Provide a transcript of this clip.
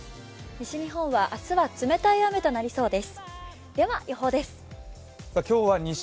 西日本は明日は冷たい雨となりそうです。